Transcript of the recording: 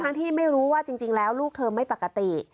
ที่ไม่รู้ว่าจริงแล้วลูกเธอไม่ปกติ